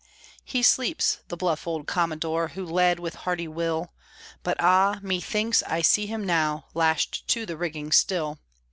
He sleeps, the bluff old Commodore Who led with hearty will; But ah! methinks I see him now, Lashed to the rigging still.